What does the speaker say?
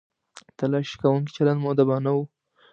تلاښي کوونکو چلند مؤدبانه و.